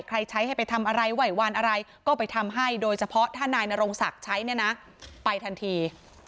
ใช้ให้ไปทำอะไรไหววานอะไรก็ไปทำให้โดยเฉพาะถ้านายนรงศักดิ์ใช้เนี่ยนะไปทันที